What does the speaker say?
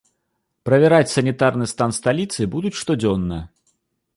Правяраць санітарны стан сталіцы будуць штодзённа.